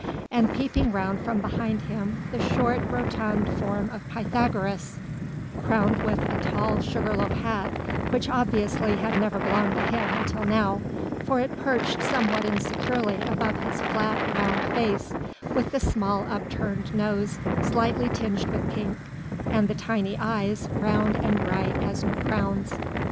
And peeping round from behind him the short, rotund form of Pythagoras, crowned with a tall sugar loaf hat which obviously had never belonged to him until now, for it perched somewhat insecurely above his flat, round face, with the small, upturned nose slightly tinged with pink and the tiny eyes, round and bright as new crowns.